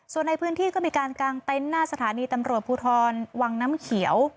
ส่วนในพื้นที่ก็มีการกางเต็นต์หน้าสถานีตำรวจภูทรวังน้ำเขียว